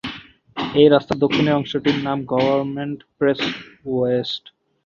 এই রাস্তার দক্ষিণ অংশটির নাম গভর্নমেন্ট প্লেস ওয়েস্ট।